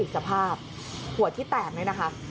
สะพาบหวดที่แตกเลยนะคะ